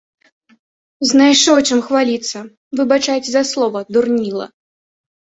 Знайшоў чым хваліцца, выбачайце за слова, дурніла.